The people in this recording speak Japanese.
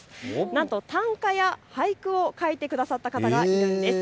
なんと、短歌や俳句を書いてくださった方がいるんです。